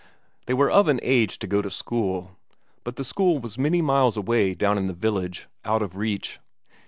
They were of an age to go to school, but the school was many miles away down in the village, out of reach.